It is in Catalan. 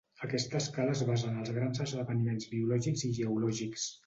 Aquesta escala es basa en els grans esdeveniments biològics i geològics.